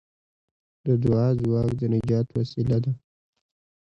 د دعا ځواک د نجات وسیله ده.